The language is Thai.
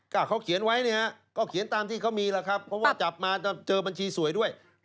ก็เขาเขียนไว้เนี่ยฮะก็เขียนตามที่เขามีแล้วครับเพราะว่าจับมาเจอบัญชีสวยด้วย